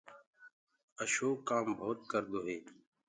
اشوڪ ڪآم ڀوت ڪردو هي۔